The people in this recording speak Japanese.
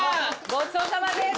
ごちそうさまです。